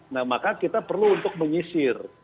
nah maka kita perlu untuk menyisir